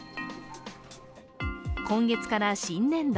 今月から新年度。